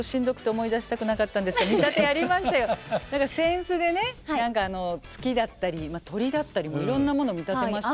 何か扇子でね月だったり鳥だったりもいろんなもの見立てましたよ。